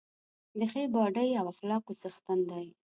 د ښې باډۍ او اخلاقو څښتن دی.